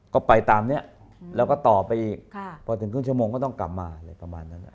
ก็ไปตามนี้แล้วก็ต่อไปอีกพอถึงครึ่งชั่วโมงก็ต้องกลับมาอะไรประมาณนั้น